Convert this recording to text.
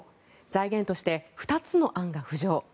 財源として２つの案が浮上。